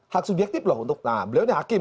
hak subjektif loh untuk nah beliau ini hakim